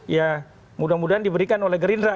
ya mudah mudahan diberikan oleh gerindra